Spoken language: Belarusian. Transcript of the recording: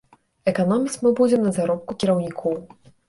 Эканоміць мы будзем на заробку кіраўнікоў.